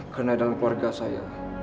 karena dalam keluarga saya